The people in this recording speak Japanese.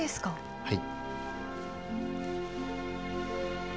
はい。